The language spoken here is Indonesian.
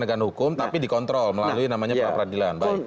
dilarang pengadilan hukum tapi dikontrol melalui namanya pra peradilan